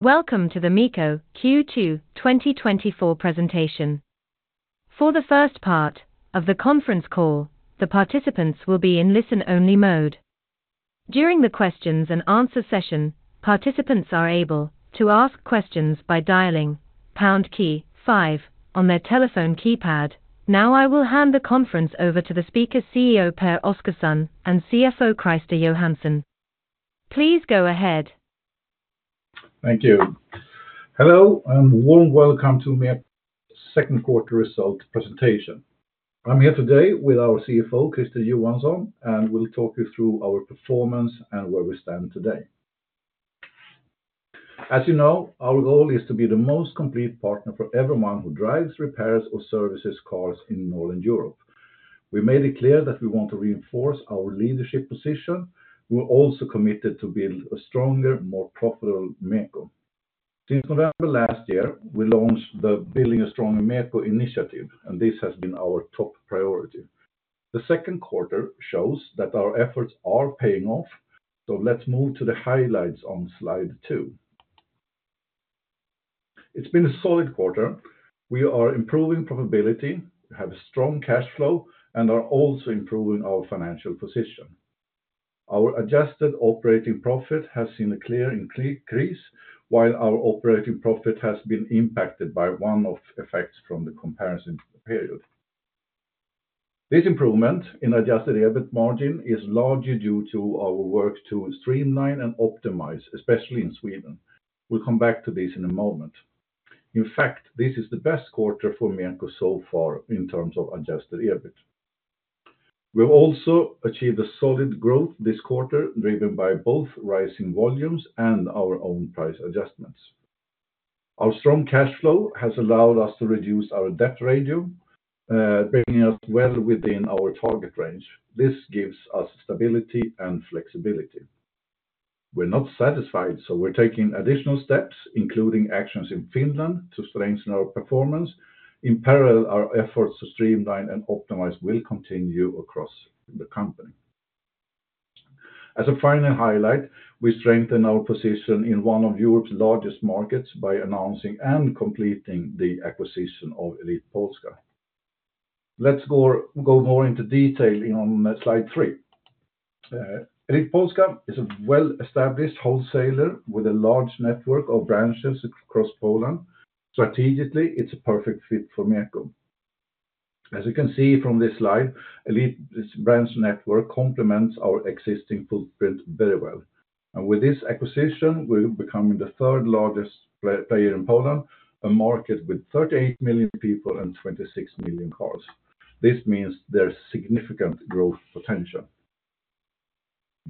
Welcome to the MEKO Q2 2024 Presentation. For the first part of the conference call, the participants will be in listen-only mode. During the questions-and-answer session, participants are able to ask questions by dialing pound key, five on their telephone keypad. Now, I will hand the conference over to the speaker, CEO, Pehr Oscarson, and CFO, Christer Johansson. Please go ahead. Thank you. Hello, and a warm welcome to MEKO Second Quarter Result Presentation. I'm here today with our CFO, Christer Johansson, and we'll talk you through our performance and where we stand today. As you know, our goal is to be the most complete partner for everyone who drives, repairs, or services cars in Northern Europe. We made it clear that we want to reinforce our leadership position. We're also committed to build a stronger, more profitable MEKO. Since November last year, we launched the Building a Stronger MEKO initiative and this has been our top priority. The second quarter shows that our efforts are paying off, so let's move to the highlights on slide two. It's been a solid quarter. We are improving profitability, we have a strong cash flow and are also improving our financial position. Our adjusted operating profit has seen a clear increase, while our operating profit has been impacted by one-off effects from the comparison period. This improvement in adjusted EBIT margin is largely due to our work to streamline and optimize, especially in Sweden. We'll come back to this in a moment. In fact, this is the best quarter for MEKO so far in terms of adjusted EBIT. We've also achieved a solid growth this quarter, driven by both rising volumes and our own price adjustments. Our strong cash flow has allowed us to reduce our debt ratio, bringing us well within our target range. This gives us stability and flexibility. We're not satisfied, so we're taking additional steps, including actions in Finland, to strengthen our performance. In parallel, our efforts to streamline and optimize will continue across the company. As a final highlight, we strengthen our position in one of Europe's largest markets by announcing and completing the acquisition of Elit Polska. Let's go more into detail on slide three. Elit Polska is a well-established wholesaler with a large network of branches across Poland. Strategically, it's a perfect fit for MEKO. As you can see from this slide, Elit's branch network complements our existing footprint very well. With this acquisition, we're becoming the third largest player in Poland, a market with 38 million people and 26 million cars. This means there's significant growth potential.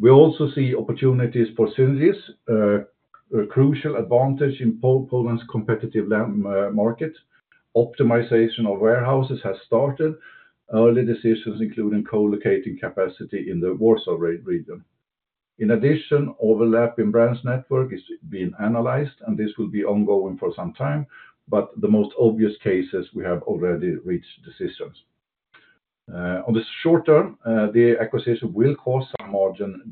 We also see opportunities for synergies, a crucial advantage in Poland's competitive market. Optimization of warehouses has started early decisions including co-locating capacity in the Warsaw region. In addition, overlap in brands network is being analyzed. This will be ongoing for some time, but the most obvious cases, we have already reached decisions. On the short term, the acquisition will cause some margin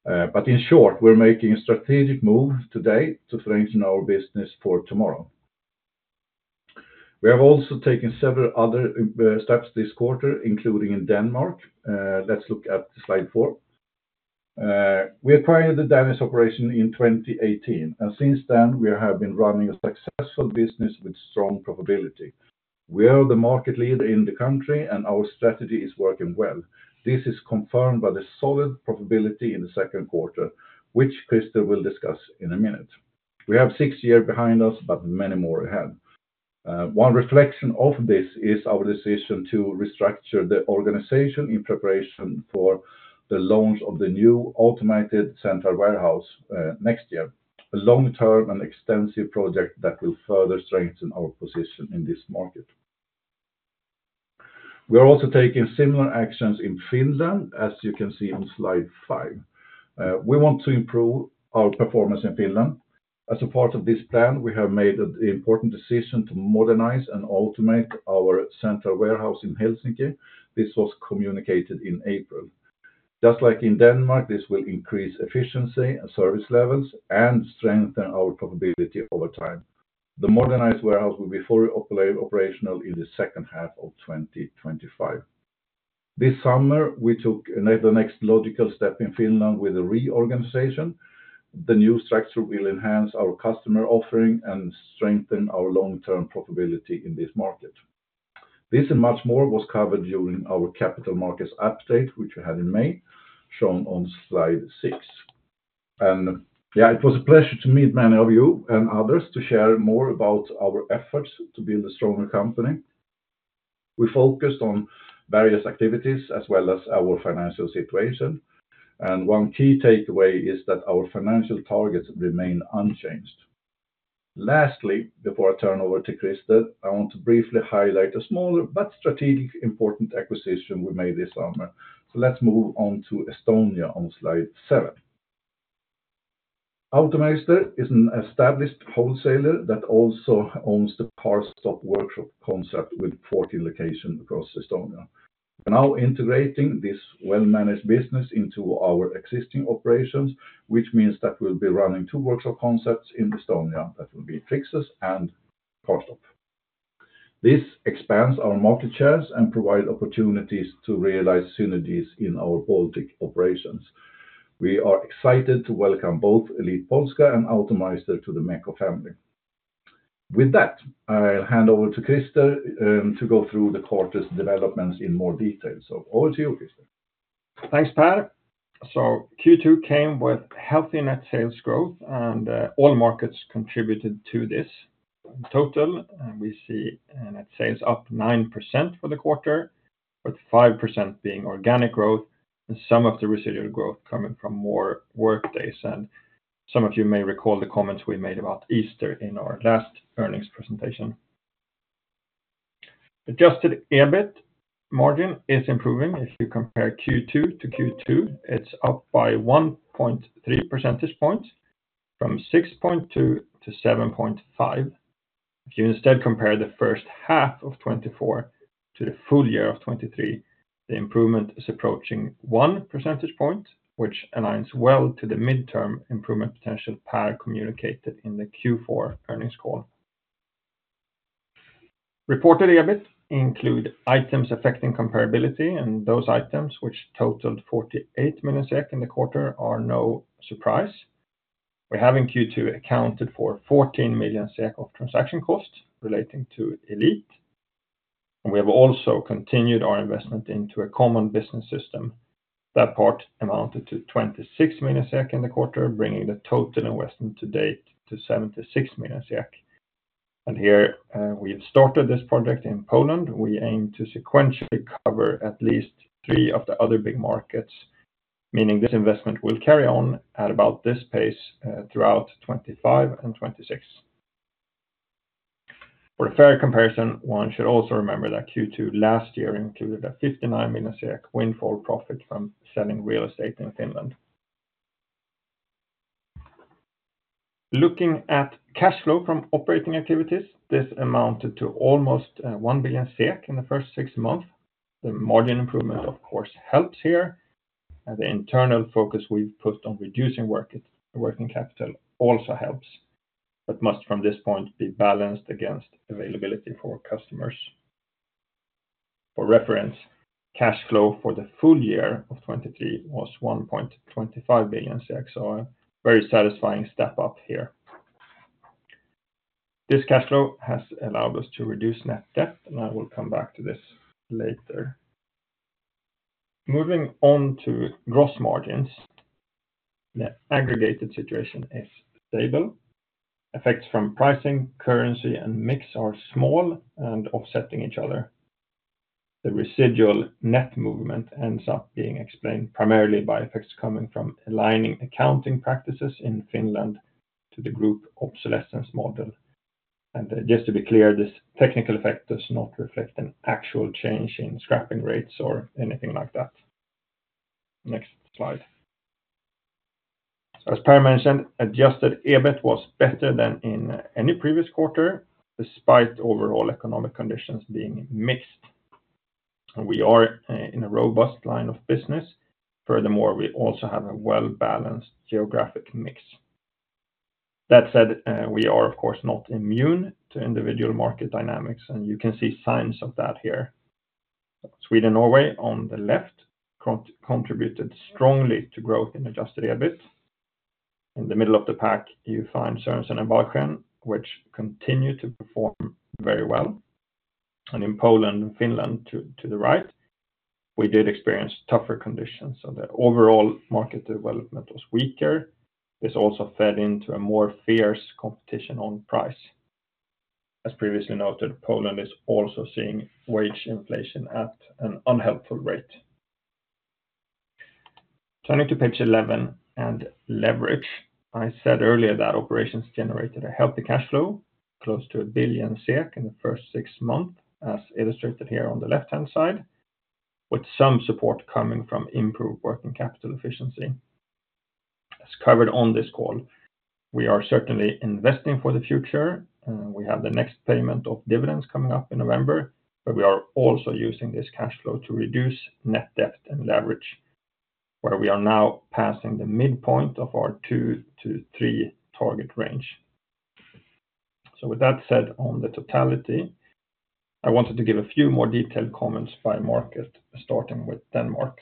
dilution, and Christer will come back to this in a minute. In short, we're making a strategic move today to strengthen our business for tomorrow. We have also taken several other steps this quarter, including in Denmark. Let's look at slide four. We acquired the Danish operation in 2018, and since then, we have been running a successful business with strong profitability. We are the market leader in the country, and our strategy is working well. This is confirmed by the solid profitability in the second quarter, which Christer will discuss in a minute. We have six years behind us, but many more ahead. One reflection of this is our decision to restructure the organization in preparation for the launch of the new automated central warehouse next year, a long-term and extensive project that will further strengthen our position in this market. We are also taking similar actions in Finland, as you can see on slide five. We want to improve our performance in Finland. As a part of this plan, we have made the important decision to modernize and automate our central warehouse in Helsinki. This was communicated in April. Just like in Denmark, this will increase efficiency and service levels, and strengthen our profitability over time. The modernized warehouse will be fully operational in the second half of 2025. This summer, we took the next logical step in Finland with a reorganization. The new structure will enhance our customer offering, and strengthen our long-term profitability in this market. This and much more was covered during our Capital markets update, which we had in May, shown on slide six. Yeah, it was a pleasure to meet many of you and others, to share more about our efforts to build a stronger company. We focused on various activities, as well as our financial situation. One key takeaway is that our financial targets remain unchanged. Lastly, before I turn over to Christer, I want to briefly highlight a smaller but strategic important acquisition we made this summer. Let's move on to Estonia on slide seven. Automeister is an established wholesaler that also owns the CarStop workshop concept with 40 locations across Estonia. We're now integrating this well-managed business into our existing operations, which means that we'll be running two workshop concepts in Estonia. That will be Fixus and CarStop. This expands our market shares, and provide opportunities to realize synergies in our Baltic operations. We are excited to welcome both Elit Polska, and Automeister to the MEKO family. With that, I'll hand over to Christer, to go through the quarter's developments in more detail. Over to you, Christer. Thanks, Pehr. Q2 came with healthy net sales growth, and all markets contributed to this in total, and we see net sales up 9% for the quarter, with 5% being organic growth and some of the residual growth coming from more workdays. Some of you may recall the comments we made about Easter in our last earnings presentation. Adjusted EBIT margin is improving. If you compare Q2 to Q2, it's up by 1.3 percentage points, from 6.2 to 7.5. If you instead compare the first half of 2024 to the full year of 2023, the improvement is approaching 1 percentage point, which aligns well to the midterm improvement potential Pehr communicated in the Q4 earnings call. Reported EBIT include, items affecting comparability, and those items which totaled 48 million SEK in the quarter are no surprise. We're having Q2 accounted for 14 million SEK of transaction costs relating to Elit, and we have also continued our investment into a common business system. That part amounted to 26 million SEK in the quarter, bringing the total investment to date to 76 million SEK. Here, we have started this project in Poland. We aim to sequentially cover at least three of the other big markets, meaning this investment will carry on at about this pace throughout 2025 and 2026. For a fair comparison, one should also remember that Q2 last year included a 59 million windfall profit from selling real estate in Finland. Looking at cash flow from operating activities, this amounted to almost 1 billion SEK in the first six months. The margin improvement of course helps here, and the internal focus we've put on reducing working capital also helps, but must from this point, be balanced against availability for customers. For reference, cash flow for the full year of 2023 was 1.25 billion, so a very satisfying step up here. This cash flow has allowed us to reduce net debt, and I will come back to this later. Moving on to gross margins, net aggregated situation is stable. Effects from pricing, currency, and mix are small and offsetting each other. The residual net movement ends up being explained primarily by effects coming from aligning accounting practices in Finland to the group obsolescence model. Just to be clear, this technical effect does not reflect an actual change in scrapping rates or anything like that. Next slide. As Pehr mentioned, Adjusted EBIT was better than in any previous quarter, despite overall economic conditions being mixed and we are in a robust line of business. Furthermore, we also have a well-balanced geographic mix. That said, we are of course not immune to individual market dynamics, and you can see signs of that here. Sweden, Norway, on the left contributed strongly to growth in adjusted EBIT. In the middle of the pack, you find Sørensen og Balchen, which continue to perform very well. In Poland and Finland to the right, we did experience tougher conditions, so the overall market development was weaker. This also fed into a more fierce competition on price. As previously noted, Poland is also seeing wage inflation at an unhelpful rate. Turning to page 11 and leverage, I said earlier that operations generated a healthy cash flow, close to 1 billion SEK in the first six months, as illustrated here on the left-hand side, with some support coming from improved working capital efficiency. As covered on this call, we are certainly investing for the future and we have the next payment of dividends coming up in November, but we are also using this cash flow to reduce net debt and leverage, where we are now passing the midpoint of our two to three target range. With that said on the totality, I wanted to give a few more detailed comments by market, starting with Denmark.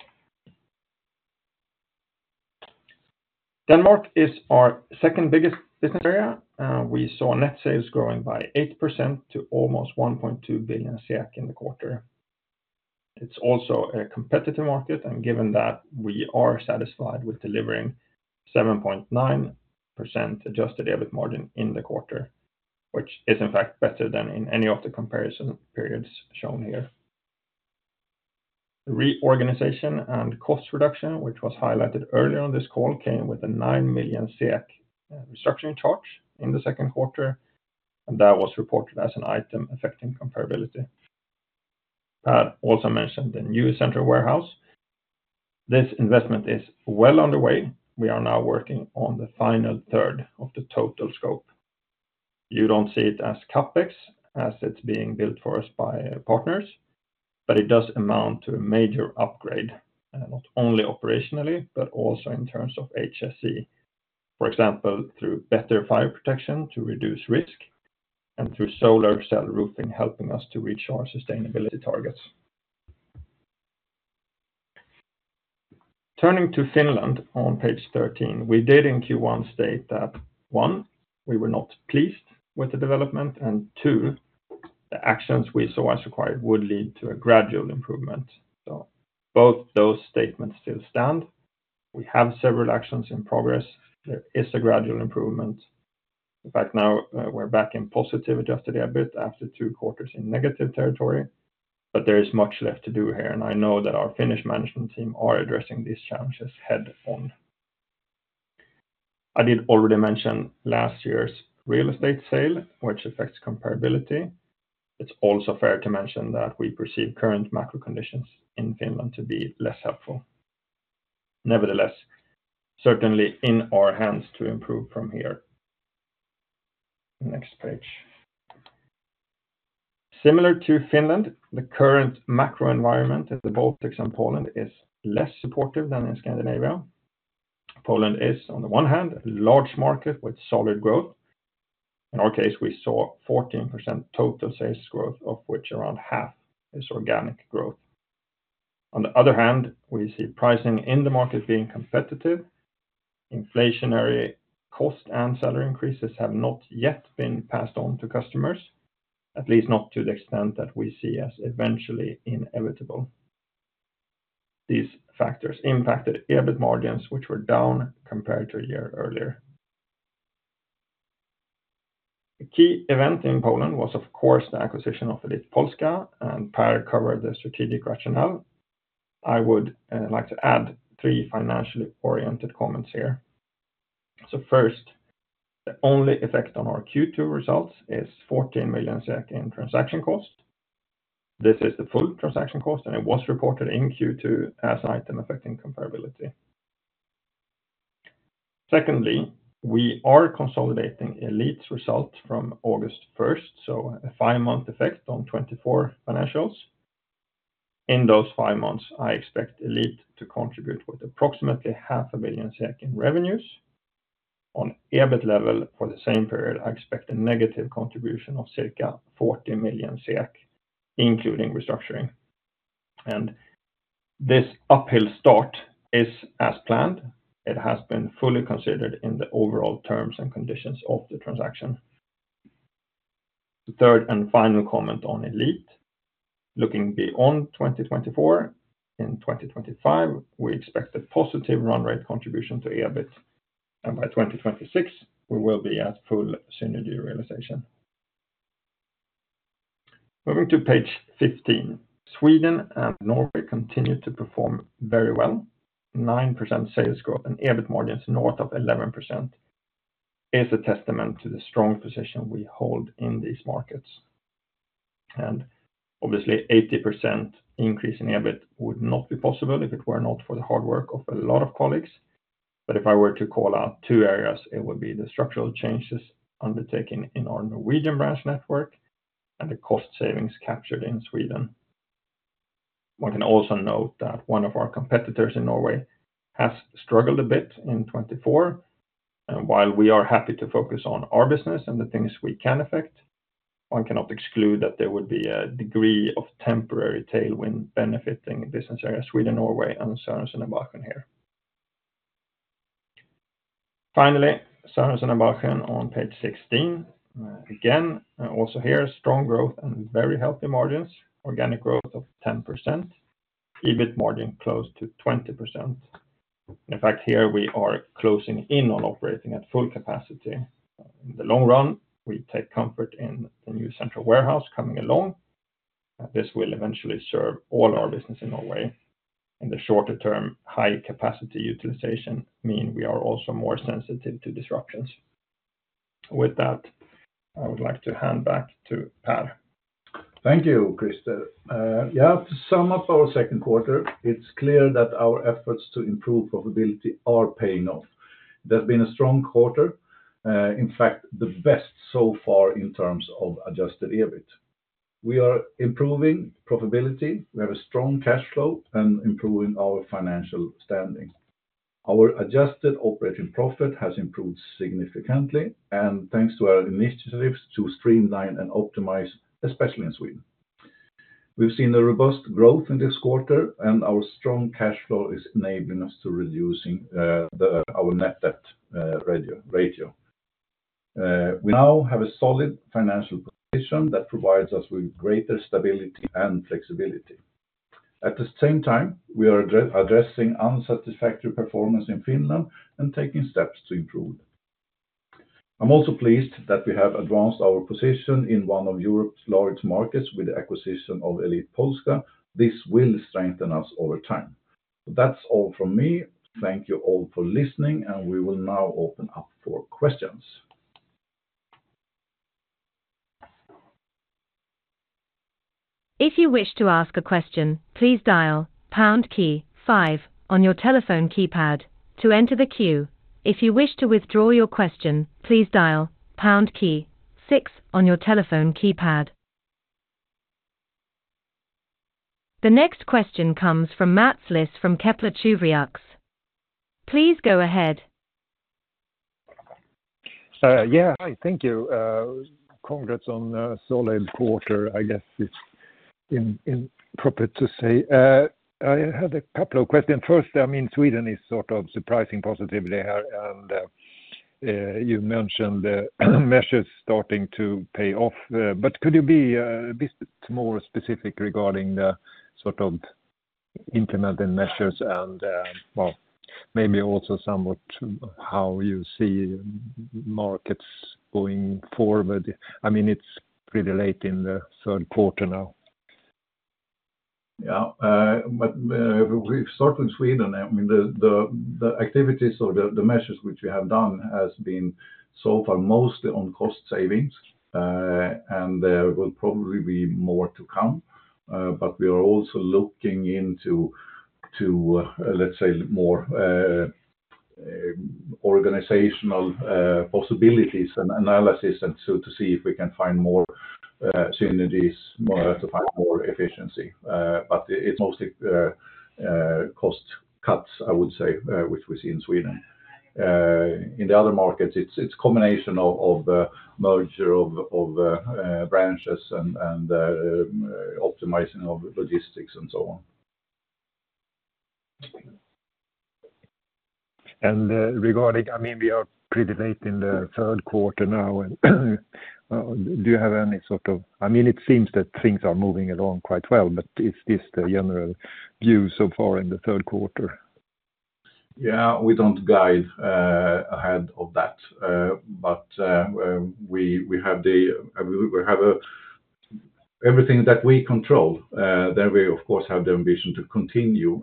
Denmark is our second biggest business area, and we saw net sales growing by 8% to almost 1.2 billion in the quarter. It's also a competitive market, given that, we are satisfied with delivering 7.9% adjusted EBIT margin in the quarter, which is in fact better than in any of the comparison periods shown here. Re-organization and cost reduction, which was highlighted earlier on this call, came with a 9 million SEK restructuring charge in the second quarter and that was reported as an item affecting comparability. I also mentioned the new central warehouse. This investment is well underway. We are now working on the final third of the total scope. You don't see it as CapEx as it's being built for us by partners, but it does amount to a major upgrade, not only operationally, but also in terms of HSE, for example, through better fire protection to reduce risk and through solar cell roofing, helping us to reach our sustainability targets. Turning to Finland on page 13, we did in Q1 state that, one, we were not pleased with the development, and two, the actions we saw as required would lead to a gradual improvement, so both those statements still stand. We have several actions in progress. There is a gradual improvement. In fact, now we're back in positive adjusted EBIT after two quarters in negative territory, but there is much left to do here. I know that our Finnish management team are addressing these challenges head-on. I did already mention last year's real estate sale, which affects comparability. It's also fair to mention that we perceive current macro conditions in Finland to be less helpful. Nevertheless, certainly in our hands to improve from here. Next page, similar to Finland, the current macro environment in the Baltics and Poland is less supportive than in Scandinavia. Poland is, on the one hand, a large market with solid growth. In our case, we saw 14% total sales growth, of which around half is organic growth. On the other hand, we see pricing in the market being competitive. Inflationary cost and salary increases have not yet been passed on to customers, at least not to the extent that we see as eventually inevitable. These factors impacted EBIT margins, which were down compared to a year earlier. A key event in Poland was of course the acquisition of Elit Polska, and Pehr covered the strategic rationale. I would like to add three financially oriented comments here. First, the only effect on our Q2 results is 14 million SEK in transaction cost. This is the full transaction cost, and it was reported in Q2 as an item affecting comparability. Secondly, we are consolidating Elit's results from August 1st, so a five-month effect on 2024 financials. In those five months, I expect Elit to contribute with approximately 500,000 in revenues. On EBIT level for the same period, I expect a negative contribution of circa 40 million SEK, including restructuring. This uphill start is as planned. It has been fully considered in the overall terms and conditions of the transaction. The third and final comment on Elit, looking beyond 2024, in 2025, we expect a positive run rate contribution to EBIT. By 2026, we will be at full synergy realization. Moving to page 15, Sweden and Norway continue to perform very well. 9% sales growth and EBIT margins north of 11% is a testament to the strong position we hold in these markets. Obviously, 80% increase in EBIT would not be possible if it were not for the hard work of a lot of colleagues. If I were to call out two areas, it would be the structural changes undertaken in our Norwegian branch network and the cost savings captured in Sweden. One can also note that one of our competitors in Norway has struggled a bit in 2024. While we are happy to focus on our business and the things we can affect, one cannot exclude that there would be a degree of temporary tailwind benefiting business area Sweden, Norway, and Sørensen og Balchen here. Finally, Sørensen og Balchen on page 16. Again, also here, strong growth and very healthy margins, organic growth of 10%, EBIT margin close to 20%. In fact, here we are closing in on operating at full capacity. In the long run, we take comfort in the new central warehouse coming along. This will eventually serve all our business in Norway. In the shorter term, high capacity utilization means we are also more sensitive to disruptions. With that, I would like to hand back to Pehr. Thank you, Christer. Yeah, to sum up our second quarter, it's clear that our efforts to improve profitability are paying off. There's been a strong quarter, in fact the best so far in terms of adjusted EBIT. We are improving profitability. We have a strong cash flow and improving our financial standing. Our adjusted operating profit has improved significantly, and thanks to our initiatives to streamline and optimize, especially in Sweden. We've seen a robust growth in this quarter, and our strong cash flow is enabling us to reduce our net debt ratio. We now have a solid financial position that provides us with greater stability and flexibility. At the same time, we are addressing unsatisfactory performance in Finland and taking steps to improve. I'm also pleased that we have advanced our position in one of Europe's largest markets with the acquisition of Elit Polska. This will strengthen us over time. That's all from me. Thank you all for listening, and we will now open up for questions. If you wish to ask a question, please dial pound key, five on your telephone keypad to enter the queue. If you wish to withdraw your question, please dial pound key, six on your telephone keypad. The next question comes from Mats Liss from Kepler Cheuvreux. Please go ahead. Yeah. Hi, thank you. Congrats on a solid quarter. I guess it's appropriate to say. I had a couple of questions. First, I mean, Sweden is sort of surprising positively here, and you mentioned the measures starting to pay off, but could you be more specific regarding the sort of implemented measures and maybe also somewhat how you see markets going forward? I mean, it's pretty late in the third quarter now. Yeah, but we've started in Sweden. I mean, the activities or the measures which we have done has been so far mostly on cost savings, and there will probably be more to come, but we are also looking into to let's say more organizational possibilities and analysis, and so to see if we can find more synergies to find more efficiency. It's mostly, cost cuts I would say, which we see in Sweden. In the other markets, it's a combination of a merger of branches and optimizing of logistics and so on. I mean, we are pretty late in the third quarter now, and it seems that things are moving along quite well, but is this the general view so far in the third quarter? Yeah, we don't guide ahead of that, but everything that we control, then we of course have the ambition to continue.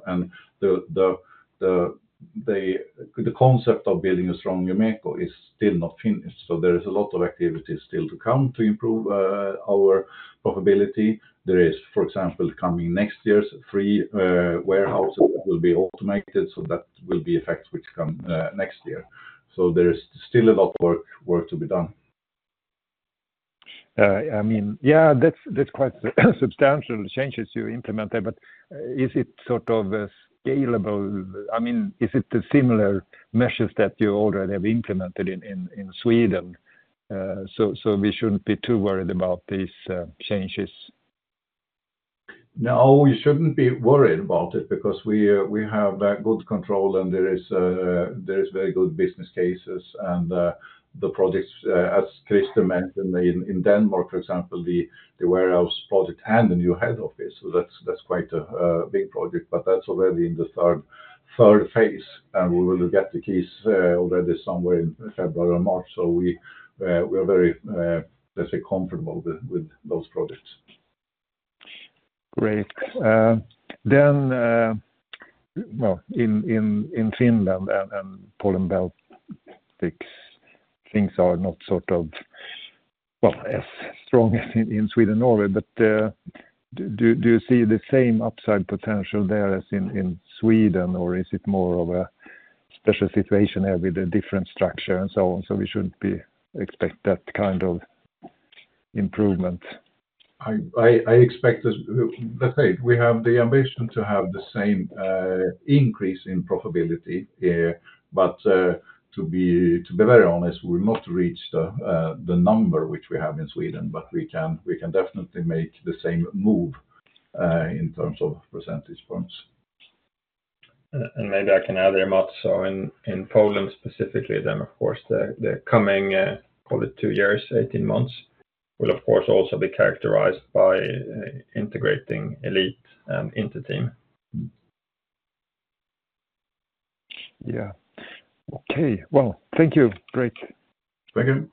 The concept of building a strong MEKO is still not finished, so there is a lot of activities still to come to improve our profitability. There is for example coming next year, three warehouses that will be automated, so that will be effects which come next year. There is still a lot of work to be done. Yeah, that's quite substantial changes you implemented, but is it sort of a scalable, is it the similar measures that you already have implemented in Sweden, so we shouldn't be too worried about these changes? No, we shouldn't be worried about it because we have good control, and there is very good business cases. As Christer mentioned in Denmark, for example, the warehouse project and the new head office, that's quite a big project, but that's already in the third phase and we will get the keys already somewhere in February or March. We are very let's say comfortable with those projects. Great. Then in Finland and Poland, Baltics, things are not sort of as strong as in Sweden or Norway. Do you see the same upside potential there as in Sweden or is it more of a special situation there with a different structure and so on, so we shouldn't expect that kind of improvement? Let's say, we have the ambition to have the same increase in profitability, but to be very honest, we must reach the number which we have in Sweden, but we can definitely make the same move in terms of percentage points. Maybe I can add here, Mats. In Poland, specifically then of course the coming, call it two years, 18 months will of course also be characterized by integrating Elit and Inter-Team. Yeah. Okay, thank you. Great. Thank you.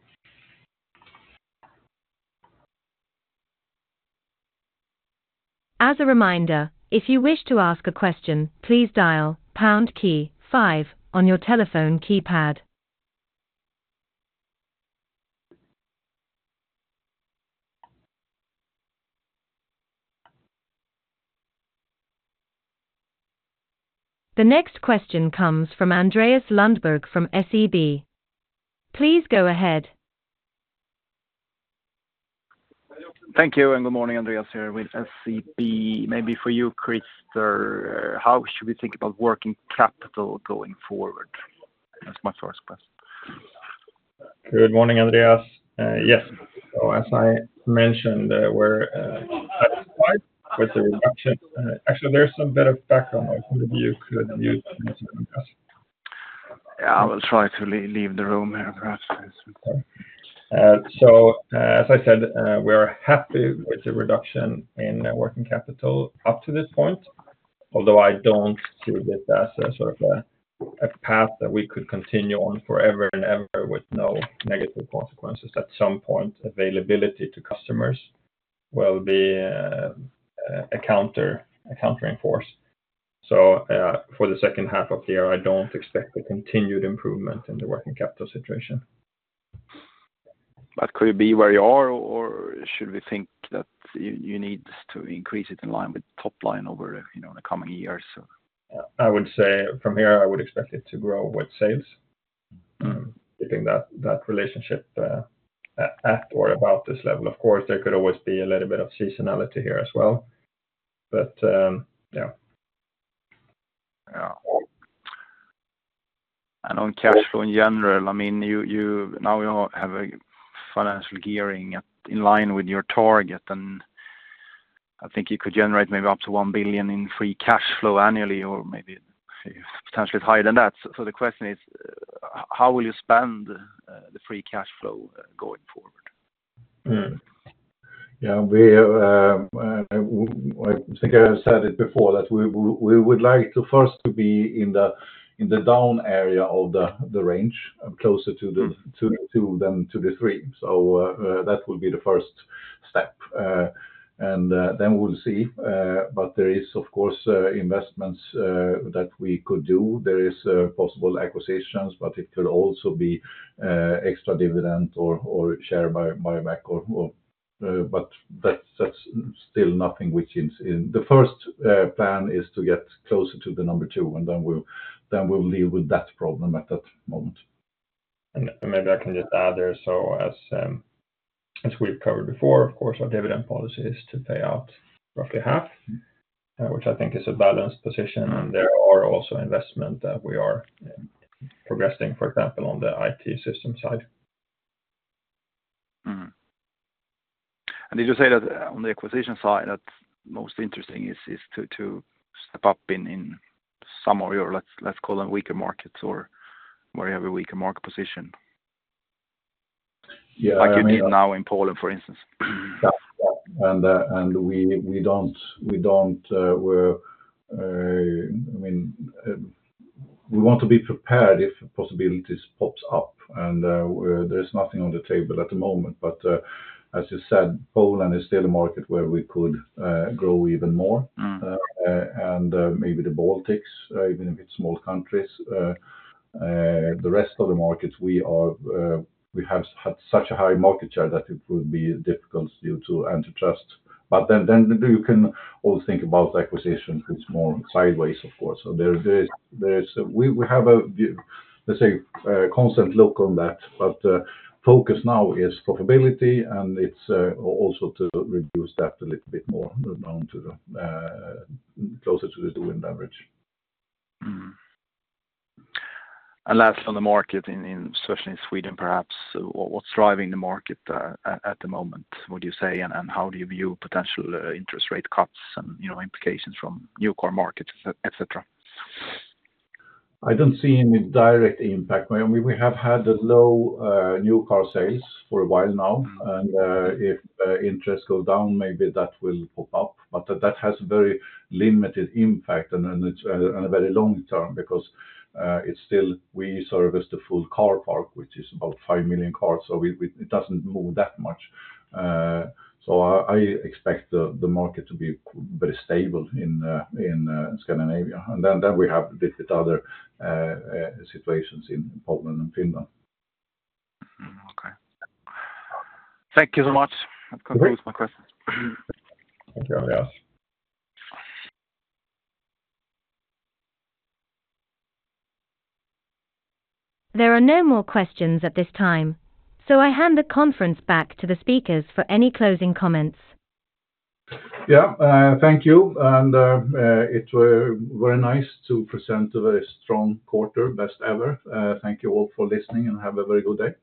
As a reminder, if you wish to ask a question, please dial pound key, five on your telephone keypad. The next question comes from Andreas Lundberg from SEB. Please go ahead. Thank you, and good morning. Andreas here with SEB. Maybe for you, Christer, how should we think about working capital going forward? That's my first question. Good morning, Andreas. Yes, so as I mentioned, we're satisfied with the reduction. Actually, there's some a bit of background noise. If you could mute. Yeah, I will try to leave the room here, perhaps. As I said, we are happy with the reduction in working capital up to this point, although I don't see it as a sort of a path that we could continue on forever and ever with no negative consequences. At some point, availability to customers will be a countering force. For the second half of the year, I don't expect a continued improvement in the working capital situation. Could it be where you are or should we think that you need to increase it in line with the top line over, you know, in the coming years? I would say from here, I would expect it to grow with sales. Keeping that relationship at or about this level. Of course, there could always be a little bit of seasonality here as well, but yeah. Yeah. On cash flow in general, I mean, you now have a financial gearing in line with your target. I think you could generate maybe up to 1 billion in free cash flow annually, or maybe potentially higher than that. The question is, how will you spend the free cash flow going forward? Yeah. I think I have said it before, that we would like first to be in the down area of the range, closer to the two than to the three. That will be the first step. Then we'll see, but there is of course investments that we could do. There is possible acquisitions, but it could also be extra dividend or share buyback, but the first plan is to get closer to the number two and then we'll deal with that problem at that moment. Maybe I can just add there. As we've covered before, of course our dividend policy is to pay out roughly half, which I think is a balanced position. There are also investments that we are progressing, for example, on the IT system side. Did you say that on the acquisition side, that's most interesting is to step up in some of your, let's call them weaker markets or where you have a weaker market position? Yeah. Like you did now in Poland, for instance. Yeah, and we want to be prepared if possibilities pops up. There's nothing on the table at the moment, but as you said, Poland is still a market where we could grow even more. Maybe the Baltics, even if it's small countries, the rest of the markets, we have had such a high market share that it would be difficult due to antitrust, but then you can also think about acquisitions. It's more sideways of course, so we have a, let's say a constant look on that, but focus now is profitability and it's also to reduce debt a little bit more down, closer to the [audio dstortion] average. Last on the market, especially in Sweden perhaps, what's driving the market at the moment, would you say? How do you view potential interest rate cuts, and you know, implications from new core markets, etc? I don't see any direct impact. I mean, we have had a low, new car sales for a while now. If interest goes down, maybe that will pop up. That has very limited impact and then it's very long-term, because still, we service the full car park, which is about 5 million cars, so it doesn't move that much. I expect the market to be very stable in Scandinavia, and then we have a bit of other situations in Poland and Finland. Okay, thank you so much. That concludes my questions. Thank you, Andreas. There are no more questions at this time, so I hand the conference back to the speakers for any closing comments. Yeah, thank you. It were very nice to present a very strong quarter, best ever. Thank you all for listening, and have a very good day.